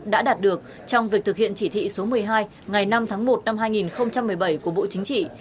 đã đạt được trong việc thực hiện chỉ thị số một mươi hai ngày năm tháng một năm hai nghìn một mươi bảy của bộ chính trị